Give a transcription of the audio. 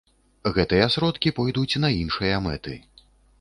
Гэтыя сродкі пойдуць на іншыя мэты.